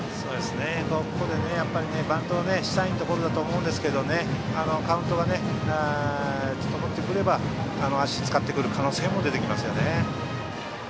バントをしたいところだと思いますがカウントが整ってくれば足を使ってくる可能性も出てきますよね。